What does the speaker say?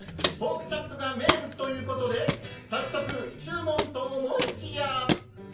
「ポークチャップ」が名物というコトで早速注文と思いきや！